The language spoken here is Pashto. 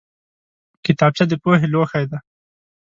کتابچه د پوهې لوښی دی